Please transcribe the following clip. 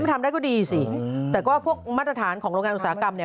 ทำได้ก็ดีสิแต่ก็พวกมาตรฐานของโรงงานอุตสาหกรรมเนี่ย